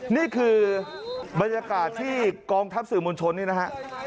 นี่คือบรรยากาศที่กองทัพสื่อมวลชนนี่นะฮะ